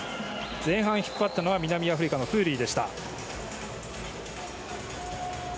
前半引っ張ったのは南アフリカのフーリー。